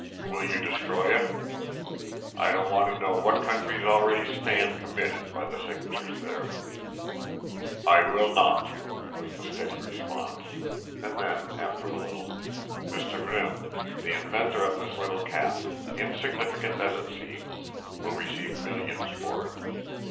Will you destroy it? I don't want to know what countries already stand committed by the signatures there." "I will not," was the steady response. And then, after a little: "Mr. Grimm, the inventor of this little cap, insignificant as it seems, will receive millions for it.